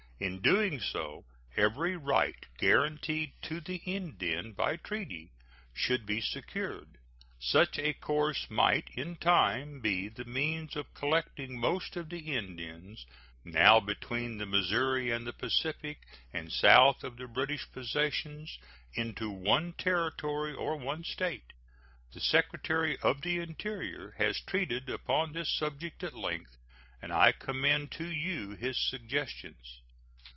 In doing so every right guaranteed to the Indian by treaty should be secured. Such a course might in time be the means of collecting most of the Indians now between the Missouri and the Pacific and south of the British possessions into one Territory or one State. The Secretary of the Interior has treated upon this subject at length, and I commend to you his suggestions.